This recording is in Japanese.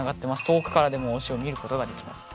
遠くからでも推しを見ることができます。